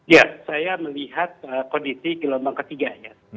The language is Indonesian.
ya saya melihat kondisi gelombang ketiganya